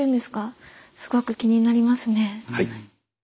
すごく気になりますね。